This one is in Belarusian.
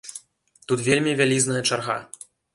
Тут вельмі вялізная чарга.